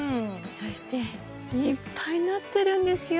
そしていっぱいなってるんですよ